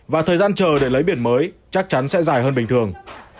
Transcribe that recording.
và thời gian chờ để lấy biển mới chắc chắn sẽ dài hơn bình thường